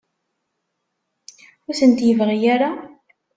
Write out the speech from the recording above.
Ur tent-yebɣi ara?